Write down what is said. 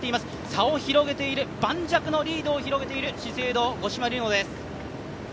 差を広げている、盤石のリードを広げている資生堂、五島莉乃です。